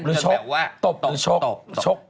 ตบหรือชกตบหรือชก